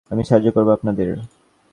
আমি সাহায্য করবো আপনাদের।